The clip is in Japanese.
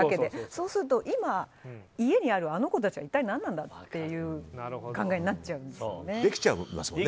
そうすると今、家にあるあの子たちは一体何なんだという考えになっちゃいますね。